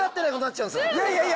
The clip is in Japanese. いやいやいや。